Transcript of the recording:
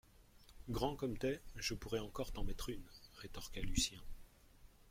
grand comme t’es je pourrais encore t’en mettre une, rétorqua Lucien